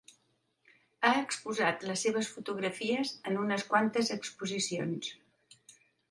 Ha exposat les seves fotografies en unes quantes exposicions.